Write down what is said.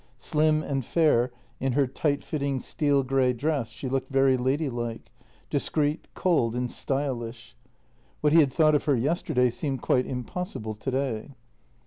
Slim and fair in her tight fitting steel grey dress, she looked very ladylike — discreet, cold, and stylish. What he had thought of her yesterday seemed quite impossible today.